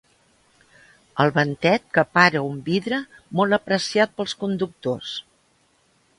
El ventet que para un vidre molt apreciat pels conductors.